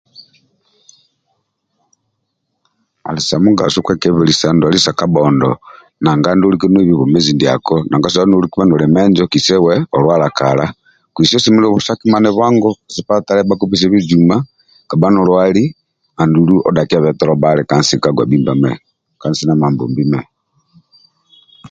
Andi sa mugaso kwekebelisa ndwali sa kabhondo nanga andulu olike noibi bwomezi ndiako nanga osobola lika noli menjo kise olwala kala kise uwebolwala kala kwise osemelelu osakimane bwango sipatala yabhukupesie bijuma kabha nolwali andulu odhakieve tolo bhali ka nsi ka gwabhimba mehe ka nsi ndia Mambombi mehe